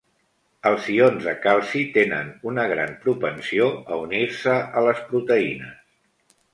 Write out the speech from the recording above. Els ions de calci tenen una gran propensió a unir-se a les proteïnes.